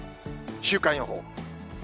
週間予報。